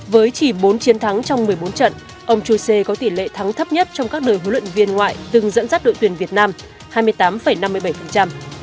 với chỉ bốn chiến thắng trong một mươi bốn trận ông chuse có tỷ lệ thắng thấp nhất trong các đội huấn luyện viên ngoại từng dẫn dắt đội tuyển việt nam